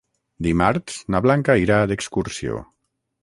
Dimarts na Blanca irà d'excursió.